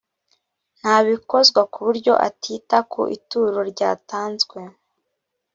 ntabikozwa ku buryo atita ku ituro ryatanzwe